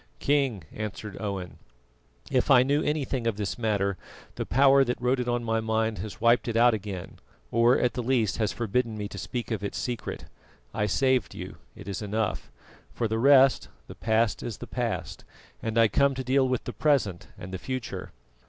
"King," answered Owen, "if I knew anything of this matter, the Power that wrote it on my mind has wiped it out again, or, at the least, has forbidden me to speak of its secret. I saved you, it is enough; for the rest, the past is the past, and I come to deal with the present and the future."